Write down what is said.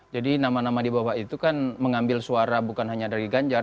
jadi nama nama di bawah itu kan mengambil suara bukan hanya dari ganjar